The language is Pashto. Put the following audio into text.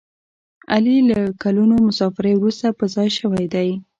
علي له کلونو مسافرۍ ورسته په ځای شوی دی.